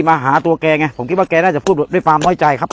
มาหาตัวแกไงผมคิดว่าแกน่าจะพูดด้วยความน้อยใจครับ